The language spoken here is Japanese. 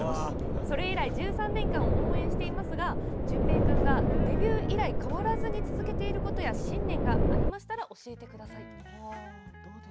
それ以来１３年間応援していますが淳平君がデビュー以来変わらずに続けていることや信念がありましたら教えてください。